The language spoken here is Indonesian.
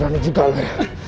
berani juga ya